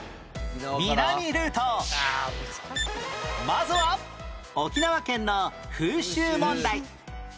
まずは沖縄県の風習問題